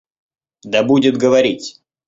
Да будет говорить!